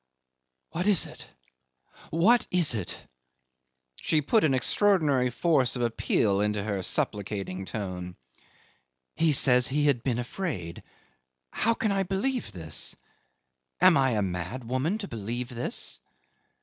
'"What is it? What is it?" She put an extraordinary force of appeal into her supplicating tone. "He says he had been afraid. How can I believe this? Am I a mad woman to believe this?